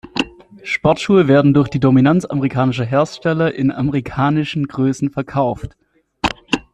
Sportschuhe werden durch die Dominanz amerikanischer Hersteller in amerikanischen Größen verkauft.